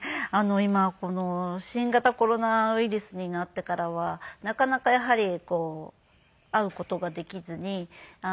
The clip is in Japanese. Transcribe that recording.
今新型コロナウイルスになってからはなかなかやはり会う事ができずに。